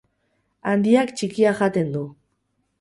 Handiak txikia jaten du.